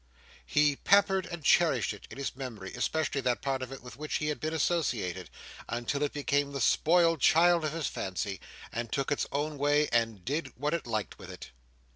He pampered and cherished it in his memory, especially that part of it with which he had been associated: until it became the spoiled child of his fancy, and took its own way, and did what it liked with it.